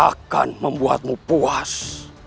akan membuatmu puas